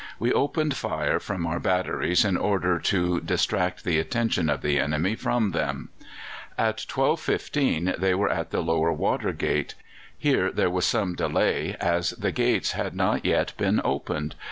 We opened fire from our batteries in order to distract the attention of the enemy from them. At 12.15 they were at the Lower Water Gate. Here there was some delay, as the gates had not yet been opened.